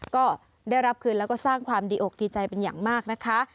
ก็ได้รับคืนแล้วก็สร้างความดีอกดีใจเป็นอย่างมากนะคะ